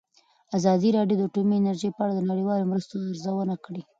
ازادي راډیو د اټومي انرژي په اړه د نړیوالو مرستو ارزونه کړې.